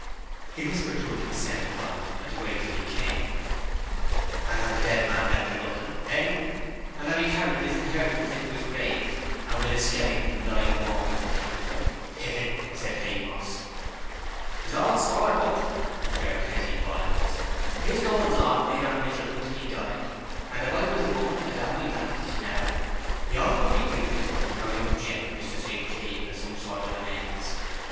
He whispered to her to ascend the column and wait till he came. 'And have the dead man left her nothing? Hey? And have he carried his inheritance into's grave? And will his skeleton lie warm on account o't? Hee hee!' said Haymoss. ''Tis all swallered up,' observed Hezzy Biles. 'His goings on made her miserable till 'a died, and if I were the woman I'd have my randys now. He ought to have bequeathed to her our young gent, Mr. St. Cleeve, as some sort of amends.